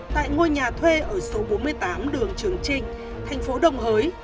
tại ngôi nhà thuê ở số bốn mươi tám đường trường trinh thành phố đồng hới